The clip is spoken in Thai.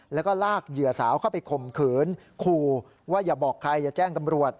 แล้วก็ลากเหยื่อสาวเข้าไปข่มขืนขู่ว่าอย่าบอกใครอย่าแจ้งตำรวจ